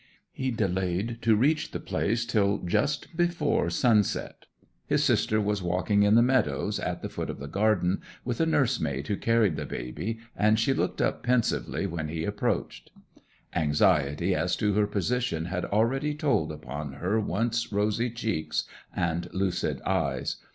He delayed to reach the place till just before sunset. His sister was walking in the meadows at the foot of the garden, with a nursemaid who carried the baby, and she looked up pensively when he approached. Anxiety as to her position had already told upon her once rosy cheeks and lucid eyes.